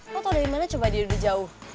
lo tau dari mana coba dia udah jauh